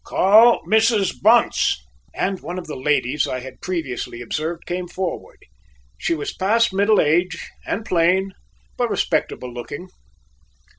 "Call Mrs. Bunce!" and one of the ladies I had previously observed came forward. She was past middle age and plain but respectable looking.